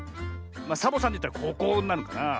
サボさんでいったらここになるのかなあ。